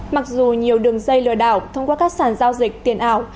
mặc dù nhiều đường dây lừa đảo thông qua các sàn giao dịch tiền ảo